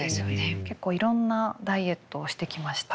結構いろんなダイエットをしてきました。